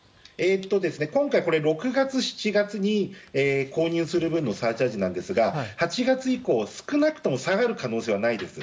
今回、これ６月、７月に購入する分のサーチャージですが８月以降、少なくとも下がる可能性はないです。